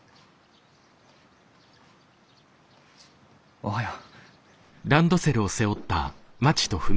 おはよう。